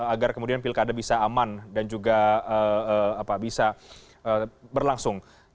agar kemudian pilkada bisa aman dan juga bisa berlangsung